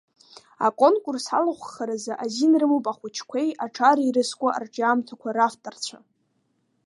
Аконкурс алахәхаразы азин рымоуп ахәыҷқәеи аҿари ирызку арҿиамҭақәа равторцәа.